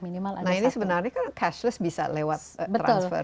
nah ini sebenarnya kan cashless bisa lewat transfer